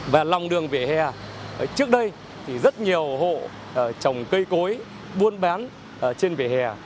và lòng đường vỉa hè trước đây thì rất nhiều hộ trồng cây cối buôn bán trên vỉa hè